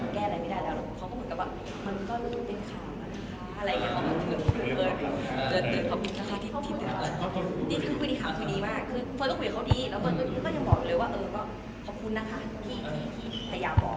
เขาก็เหมือนมันก็มีเรื่องเป็นค่าแบบนั้นค่ะ